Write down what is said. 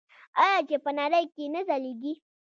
آیا چې په نړۍ کې نه ځلیږي؟